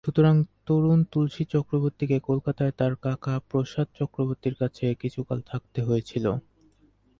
সুতরাং তরুণ তুলসী চক্রবর্তীকে কোলকাতায় তার কাকা প্রসাদ চক্রবর্তীর কাছে কিছুকাল থাকতে হয়েছিল।